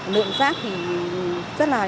lượng rác thì rất là lớn